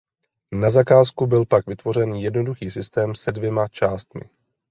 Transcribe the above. Na zakázku byl pak vytvořen jednoduchý systém se dvěma částmi.